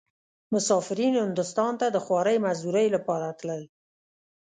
مسافرين هندوستان ته د خوارۍ مزدورۍ لپاره تلل.